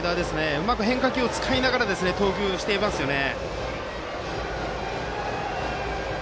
うまく変化球を使いながら投球していますよね。